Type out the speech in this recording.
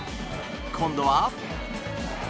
今度は。